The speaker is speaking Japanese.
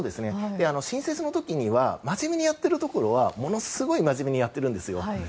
新設の時には真面目にやっているところはものすごい真面目にやっているんですよ。